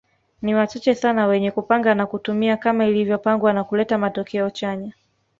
Ni wachache sana wenye kupanga na kutumia kama ilivyopangwa na kuleta matokeo chanya